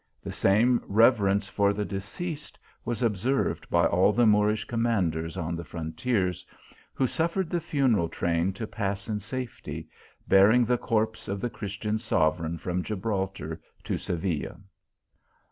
The same reverence for the deceased was observed by all the Moorish commanders on the frontiers, who suffered the funeral train to pass in safety, bearing the corpse of the Christian sovereign from Gibraltar to Seville.